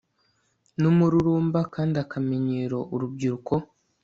numururumba kandi akamenyero urubyiruko